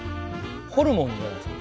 ホルモンじゃないですか。